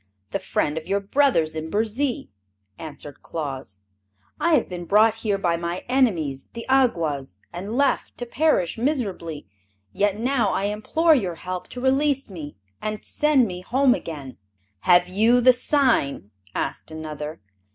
"The friend of your brothers in Burzee," answered Claus. "I have been brought here by my enemies, the Awgwas, and left to perish miserably. Yet now I implore your help to release me and to send me home again." "Have you the sign?" asked another.